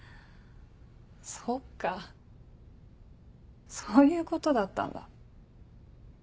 そっかそういうことだったんだ。